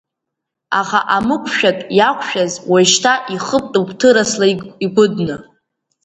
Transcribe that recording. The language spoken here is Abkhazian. Аха амықәшәатә иақәшәаз уажәшьҭа ихыбтәуп ҭырасла игәыдны.